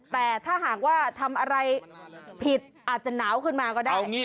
แต่ถ้าหากว่าทำอะไรผิดอาจจะหนาวขึ้นมาก็ได้